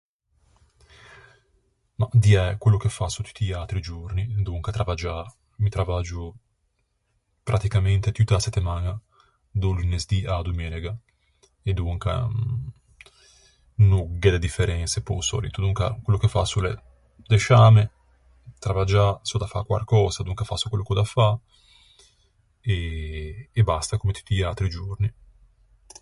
Mah, diæ quello che fasso tutti i atri giorni, donca travaggiâ. Mi travaggio pratticamente tutta a settemaña, da-o lunesdì a-a domenega, e donca no gh'é de differense pe-o sòlito. Donca quello che fasso l'é desciâme, travaggiâ, s'ò da fâ quarcösa, donca fasso quello ch'ò da fâ, e e basta, comme tutti i atri giorni.